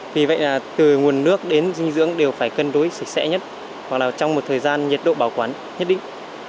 vì vậy là từ nguồn nước đến dinh dưỡng đều phải cân đối sạch sẽ nhất hoặc là trong một thời gian nhiệt độ bảo quản nhất định